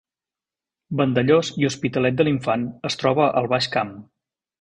Vandellòs i Hospitalet de l’Infant es troba al Baix Camp